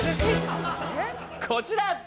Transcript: こちら！